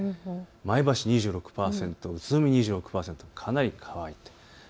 前橋２６％、宇都宮も２６％、かなり乾きます。